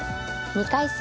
２回戦